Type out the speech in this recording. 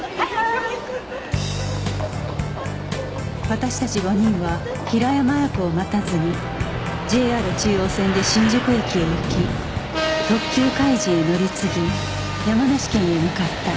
私たち５人は平山亜矢子を待たずに ＪＲ 中央線で新宿駅へ行き特急かいじへ乗り継ぎ山梨県へ向かった